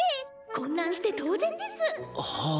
混乱して当然です。